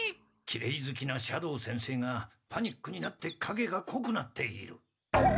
きれいずきな斜堂先生がパニックになってかげがこくなっている。